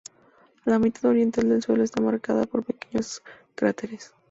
La mitad oriental del suelo está marcada por pequeños cráteres.